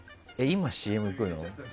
今、ＣＭ行くの？